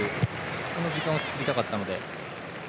この時間を作りたかったので。